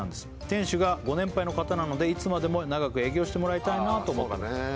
「店主がご年配の方なのでいつまでも長く」「営業してもらいたいなと思ってます」